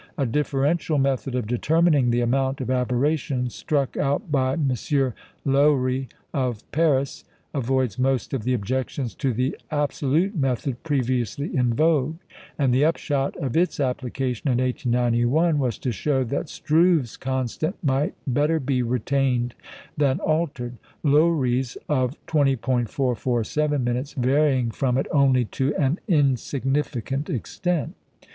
A differential method of determining the amount of aberration, struck out by M. Loewy of Paris, avoids most of the objections to the absolute method previously in vogue; and the upshot of its application in 1891 was to show that Struve's constant might better be retained than altered, Loewy's of 20·447" varying from it only to an insignificant extent.